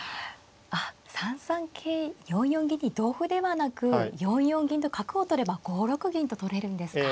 あっ３三桂４四銀に同歩ではなく４四銀と角を取れば５六銀と取れるんですか。